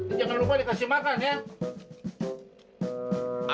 ini jangan lupa dikasih makan ya